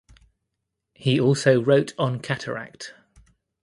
He also wrote on cataract.